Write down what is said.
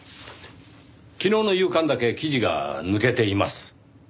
昨日の夕刊だけ記事が抜けています。